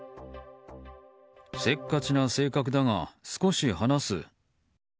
せっかちな性格だが少し話す。